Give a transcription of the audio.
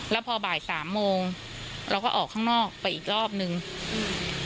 แล้วพอบ่ายสามโมงเราก็ออกข้างนอกไปอีกรอบหนึ่งอืม